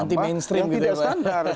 anti mainstream gitu ya pak asnawi